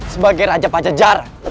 sebagai raja pajajaran